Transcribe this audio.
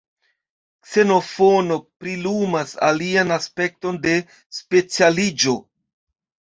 Ksenofono prilumas alian aspekton de specialiĝo.